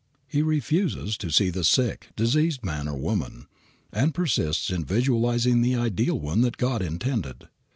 He refuses to see the sick, diseased man or woman, and persists in visualizing the ideal one that God intended.